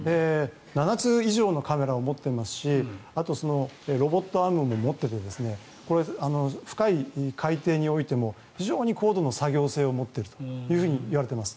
７つ以上のカメラを持っていますしあとはロボットアームも持っていて深い海底においても非常に高度な作業性を持っているといわれています。